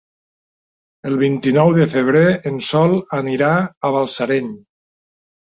El vint-i-nou de febrer en Sol anirà a Balsareny.